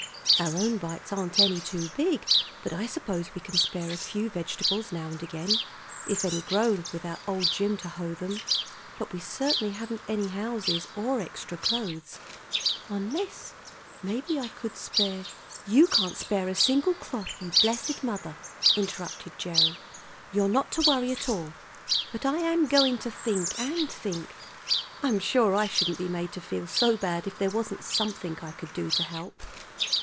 Our own bites aren't any too big; but I suppose we can spare a few vegetables now and again, if any grow without old Jim to hoe them. But we certainly haven't any houses or extra clothes, unless maybe I could spare " "You can't spare a single clo', you blessed mother!" interrupted Gerry. "You're not to worry at all, but I am going to think and think. I'm sure I shouldn't be made to feel so bad if there wasn't something I could do to help."